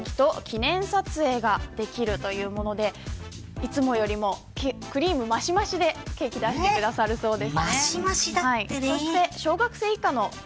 いつもよりもクリーム増し増しでケーキを出してくれるそうです。